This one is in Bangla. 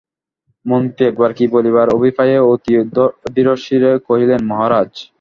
মন্ত্রী একবার কী বলিবার অভিপ্রায়ে অতি ধীরস্বরে কহিলেন, মহারাজ।